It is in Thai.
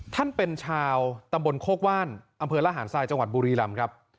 ท่านเป็นชาวตำบลโคกว่านอำเภอระหารทรายจังหวัดบุรีรำครับ